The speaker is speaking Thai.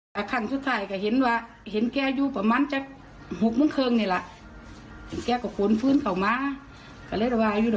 มันสาเหตุนี้คือว่ามันสิเป็นหลักของเขากับอาทิตย์ไปพ่อกลุ่มวัยรุ่น